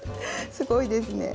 すごいですね。